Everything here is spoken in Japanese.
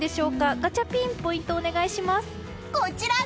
ガチャピンポイントをお願いします。